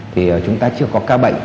thì chúng ta chưa có ca bệnh